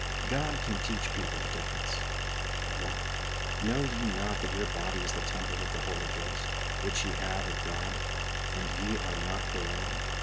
God can teach people the difference. " What, know ye not that your body is the temple of the Holy Ghost, which ye have of God, and ye are not your own